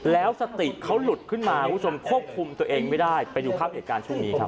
แล้วสติเขาหลุดขึ้นมาคุณผู้ชมควบคุมตัวเองไม่ได้ไปดูภาพเหตุการณ์ช่วงนี้ครับ